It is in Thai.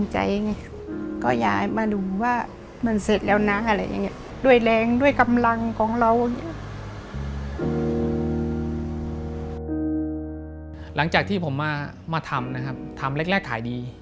หลังจากที่ผมมาทำนะครับทำแรกขายดี